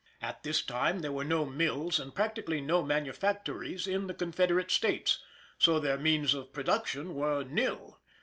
At this time there were no mills, and practically no manufactories in the Confederate States, so their means of production were nil.